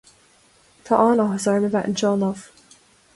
Tá an-áthas orm a bheith anseo inniu.